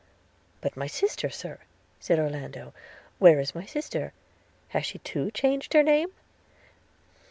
'But my sister, Sir,' said Orlando, 'where is my sister? – has she too changed her name?'